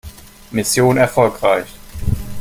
Mission erfolgreich!